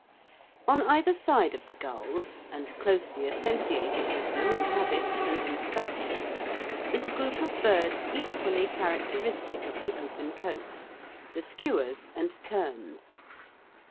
On either side of the gulls, and closely associated with them in habits and in structure, is a group of birds equally characteristic of the open coast, the skuas and terns.